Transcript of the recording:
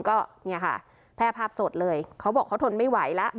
ก็เนี่ยค่ะแพร่ภาพสดเลยเขาบอกเขาทนไม่ไหวแล้ว